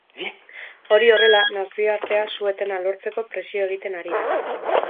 Hori horrela, nazioartea su-etena lortzeko presio egiten ari da.